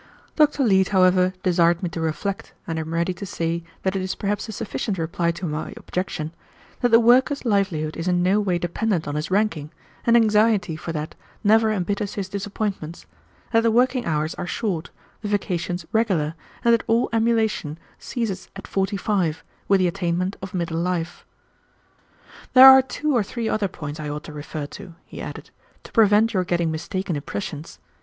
Dr. Leete, however, desired me to reflect, and I am ready to say that it is perhaps a sufficient reply to my objection, that the worker's livelihood is in no way dependent on his ranking, and anxiety for that never embitters his disappointments; that the working hours are short, the vacations regular, and that all emulation ceases at forty five, with the attainment of middle life. "There are two or three other points I ought to refer to," he added, "to prevent your getting mistaken impressions.